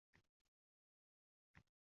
O’rta va katta hajmdagi ish olgan frilanser ham